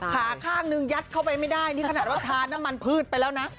ขาข้างนึงยัดเข้าไปไม่ได้นี่ขนาดว่าทานน้ำมันพืชไปแล้วนะ